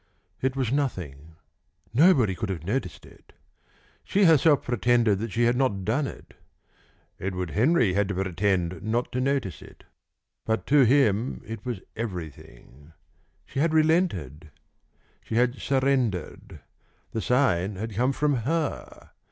It was nothing. Nobody could have noticed it. She herself pretended that she had not done it. Edward Henry had to pretend not to notice it. But to him it was everything. She had relented. She had surrendered. The sign had come from her.